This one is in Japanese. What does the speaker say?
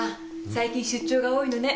最近出張が多いのね。